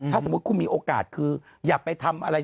ถ้าสมมุติคุณมีโอกาสคืออย่าไปทำอะไร